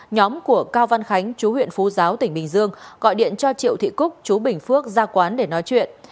nhóm của cao văn khánh chú huyện phú giáo tỉnh bình dương gọi điện cho triệu thị cúc chú bình phước ra quán để nói chuyện